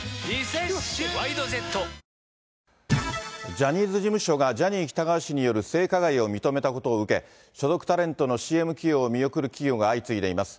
ジャニーズ事務所がジャニー喜多川氏による性加害を認めたことを受け、所属タレントのＣＭ起用を見送る企業が相次いでいます。